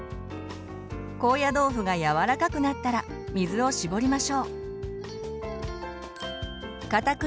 高野豆腐が柔らかくなったら水を絞りましょう。